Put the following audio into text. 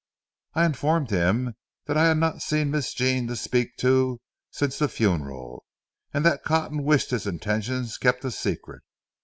I informed him that I had not seen Miss Jean to speak to since the funeral, and that Cotton wished his intentions kept a secret.